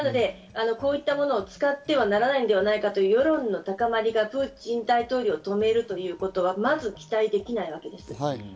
こういったものを使ってはならないのではないかという世論の高まりが、プーチン大統領を止めるということはまず期待できない。